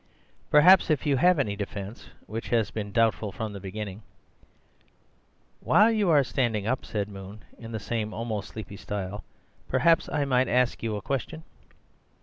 "Perhaps, if you have any defence, which has been doubtful from the very beginning—" "While you're standing up," said Moon, in the same almost sleepy style, "perhaps I might ask you a question."